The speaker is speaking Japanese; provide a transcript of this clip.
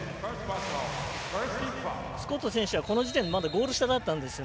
スコット選手はこの時点でゴール下だったんですよ。